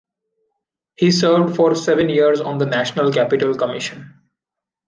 He served for seven years on the National Capital Commission.